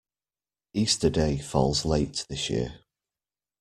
Easter Day falls late this year